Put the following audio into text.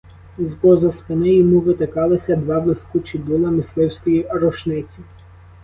З-поза спини йому витикалися два блискучі дула мисливської рушниці.